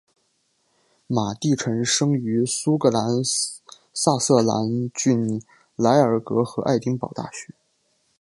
马地臣生于苏格兰萨瑟兰郡莱尔格和爱丁堡大学。